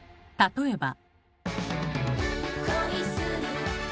例えば。